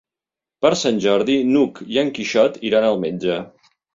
Per Sant Jordi n'Hug i en Quixot iran al metge.